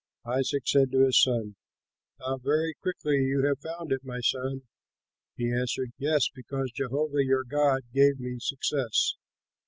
Isaac said to his son, "How very quickly you have found it, my son." He answered, "Yes, because Jehovah your God gave me success."